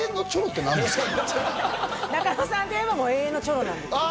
中野さんといえば「永遠のチョロ」なんです